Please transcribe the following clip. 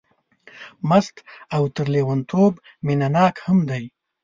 مست او تر لېونتوب مینه ناک هم دی.